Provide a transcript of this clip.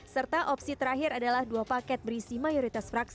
serta opsi terakhir adalah dua paket berisi mayoritas fraksi